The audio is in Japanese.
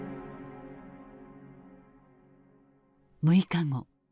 ６日後。